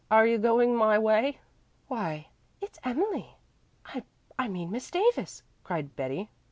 Are you going my way?" "I why it's Emily I mean Miss Davis," cried Betty.